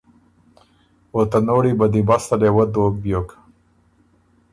او ته نوړی بندیبسته لې وۀ دوک بیوک۔